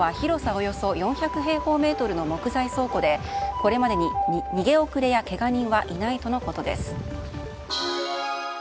およそ４００平方メートルの木材倉庫でこれまでに逃げ遅れやけが人はいないとのことです。